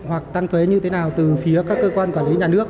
hoặc tăng thuế như thế nào từ phía các cơ quan quản lý nhà nước